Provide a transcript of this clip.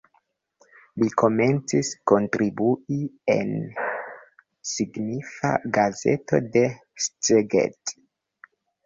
Li komencis kontribui en signifa gazeto de Szeged.